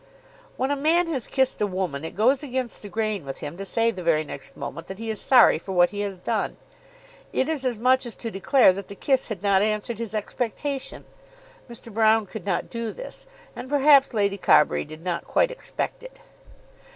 When a man has kissed a woman it goes against the grain with him to say the very next moment that he is sorry for what he has done. It is as much as to declare that the kiss had not answered his expectation. Mr. Broune could not do this, and perhaps Lady Carbury did not quite expect it.